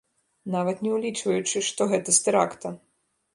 Нават не ўлічваючы, што гэта з тэракта.